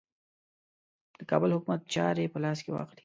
د کابل حکومت چاري په لاس کې واخلي.